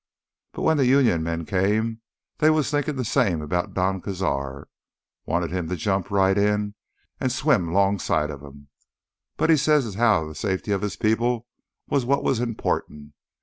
But when th' Union men came, they was thinkin' th' same 'bout Don Cazar. Wanted him to jump right in an' swim 'longside o' them. But he said as how th' safety of his people was what was important.